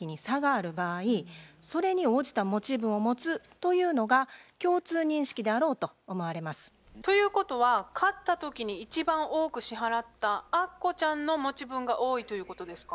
というのが共通認識であろうと思われます。ということは買った時に一番多く支払ったアッコちゃんの持分が多いということですか？